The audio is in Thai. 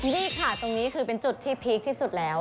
นี่ค่ะตรงนี้คือเป็นจุดที่พีคที่สุดแล้ว